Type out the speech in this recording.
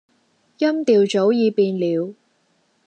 音調早已變了